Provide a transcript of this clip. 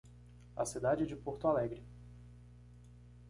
A cidade de Porto Alegre.